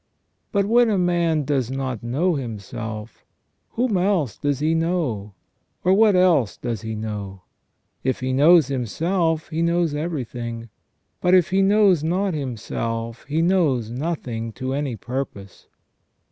" But when a man does not know himself, whom else does he know ? Or what else does he know ? If he knows himself, he knows everything. But if he knows not himself, he knows nothing to any purpose.